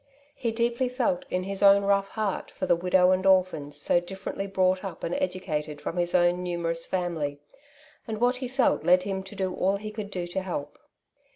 He deeply felt in his own rough heart for the widow and orphans so differently brought up and educated from his own numerous family^ and what he felt led him to do all he could to help.